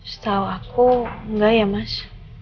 setahu aku enggak ya mas